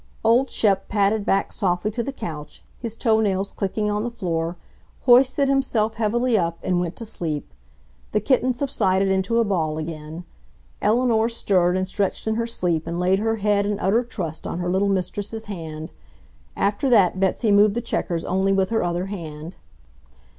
Old Shep padded back softly to the couch, his toe nails clicking on the floor, hoisted himself heavily up, and went to sleep. The kitten subsided into a ball again. Eleanor stirred and stretched in her sleep and laid her head in utter trust on her little mistress's hand. After that Betsy moved the checkers only with her other hand.